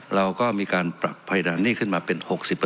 เราก็มีการปรับเพดานหนี้ขึ้นมาเป็น๖๐